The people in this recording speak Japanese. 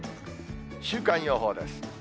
週間予報です。